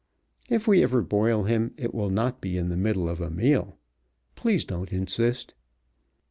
If we ever boil him it will not be in the middle of a meal. Please don't insist."